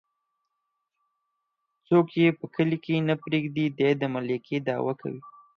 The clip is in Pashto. څوک يې په کلي کې نه پرېږدي ،دى د ملکۍ دعوه کوي.